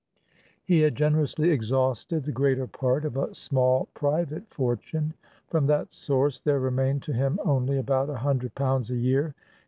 He had generously exhausted the greater part of a small private fortune; from that source there remained to him only about a hundred pounds a year.